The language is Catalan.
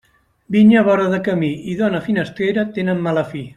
Vinya a vora de camí i dona finestrera tenen mala fi.